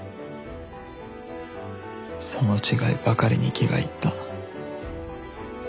その違いばかりに気がいった